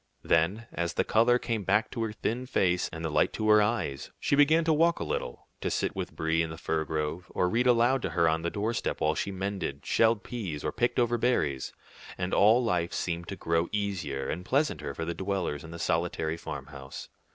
Then, as the color came back to her thin face and the light to her eyes, she began to walk a little, to sit with Brie in the fir grove, or read aloud to her on the doorstep while she mended, shelled peas, or picked over berries; and all life seemed to grow easier and pleasanter for the dwellers in the solitary farmhouse.